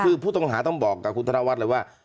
คือผู้ต้องหาต้องบอกกับคุณธนวัฒน์เลยว่า